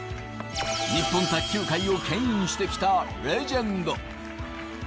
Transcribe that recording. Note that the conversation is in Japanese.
日本卓球界を牽引してきたレジェンド。